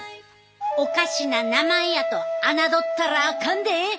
おかしな名前やと侮ったらあかんで！